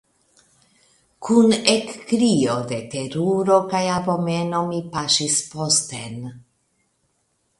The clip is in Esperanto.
Kun ekkrio de teruro kaj abomeno mi paŝis posten.